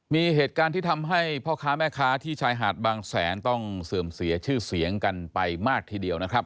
มีเหตุการณ์ที่ทำให้พ่อค้าแม่ค้าที่ชายหาดบางแสนต้องเสื่อมเสียชื่อเสียงกันไปมากทีเดียวนะครับ